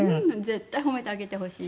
絶対褒めてあげてほしい。